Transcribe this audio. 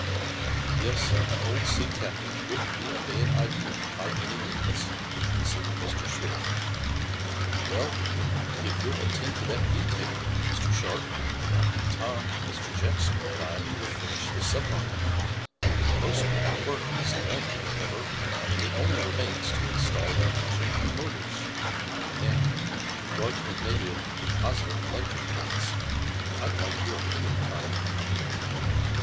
"Yes, an old sea captain wouldn't be a bad idea, by any means," conceded Mr. Swift. "Well, if you'll attend to that detail, Mr. Sharp, Tom, Mr. Jackson and I will finish the submarine. Most of the work is done, however, and it only remains to install the engine and motors. Now, in regard to the negative and positive electric plates, I'd like your opinion, Tom."